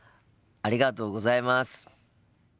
ありがとうございます。